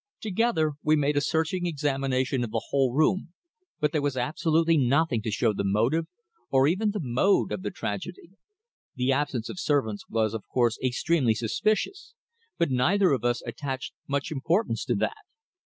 Together we made a searching examination of the whole room, but there was absolutely nothing to show the motive, or even the mode, of the tragedy. The absence of servants was of course extremely suspicious, but neither of us attached much importance to that.